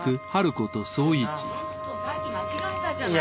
ここさっき間違ったじゃない。